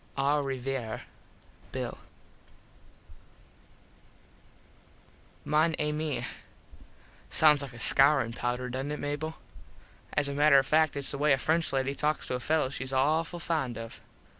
Au Riviere, Bill. Mon Ami: Sounds like a scourin pouder, doesnt it, Mable? As a matter of fact its the way a French lady talks to a fello shes awful fond of.